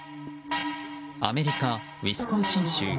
アメリカ・ウィスコンシン州。